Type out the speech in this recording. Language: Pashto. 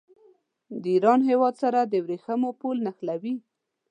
د ایران هېواد سره د ورېښمو پل نښلوي.